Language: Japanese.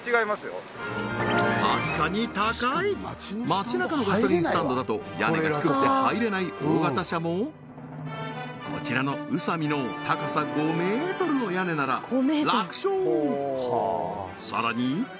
街なかのガソリンスタンドだと屋根が低くて入れない大型車もこちらの宇佐美の高さ５ｍの屋根なら楽勝！